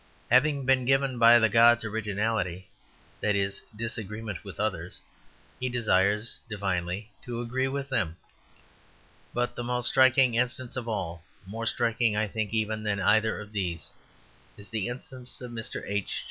Having been given by the gods originality that is, disagreement with others he desires divinely to agree with them. But the most striking instance of all, more striking, I think, even than either of these, is the instance of Mr. H.